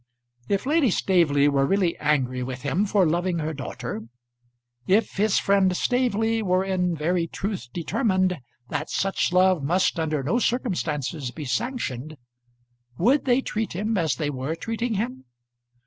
If Lady Staveley were really angry with him for loving her daughter, if his friend Staveley were in very truth determined that such love must under no circumstances be sanctioned, would they treat him as they were treating him?